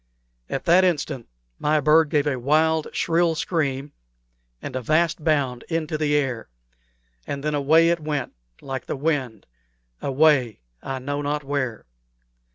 At that instant my bird gave a wild, shrill scream and a vast bound into the air, and then away it went like the wind away, I know not where.